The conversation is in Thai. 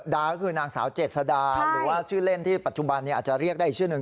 ดาก็คือนางสาวเจษดาหรือว่าชื่อเล่นที่ปัจจุบันอาจจะเรียกได้อีกชื่อหนึ่ง